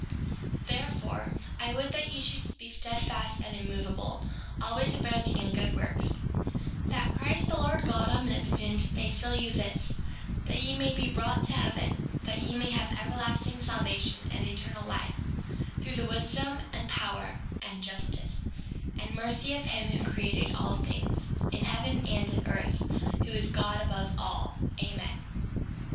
5:15 Therefore, I would that ye should be steadfast and immovable, always abounding in good works, that Christ, the Lord God Omnipotent, may seal you his, that you may be brought to heaven, that ye may have everlasting salvation and eternal life, through the wisdom, and power, and justice, and mercy of him who created all things, in heaven and in earth, who is God above all. Amen.